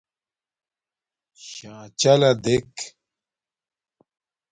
شݳں چَلَݳ دݵک